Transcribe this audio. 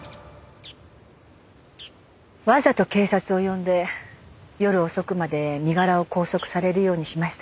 わざと警察を呼んで夜遅くまで身柄を拘束されるようにしましたね。